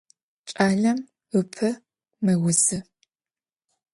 Ç'alem ıpe meuzı.